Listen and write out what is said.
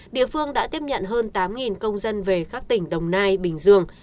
địa phương đã tiếp nhận hơn tám công dân về các tỉnh đồng nai bình dương